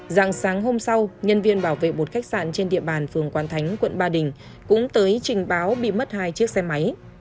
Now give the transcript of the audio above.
dạng sáng hôm sau nhân viên bảo vệ một khách sạn trên địa bàn phường quán thánh quận ba đình cũng tới trình báo bị mất hai chiếc xe máy